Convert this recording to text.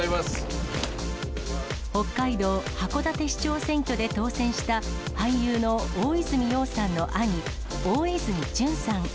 北海道函館市長選挙で当選した、俳優の大泉洋さんの兄、大泉潤さん。